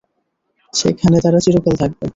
সেখানে তারা চিরকাল থাকবে।